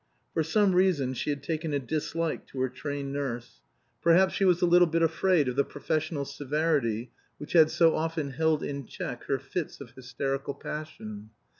For some reason she had taken a dislike to her trained nurse; perhaps she was a little bit afraid of the professional severity which had so often held in check her fits of hysterical passion.